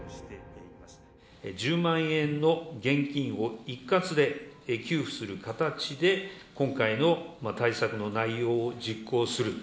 １０万円の現金を一括で給付する形で、今回の対策の内容を実行する。